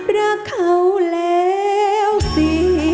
รักเขาแล้วสิ